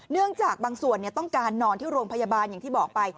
เนื่องจากบางส่วนต้องการนอนที่โรงพยาบาลอย่างที่บอกไป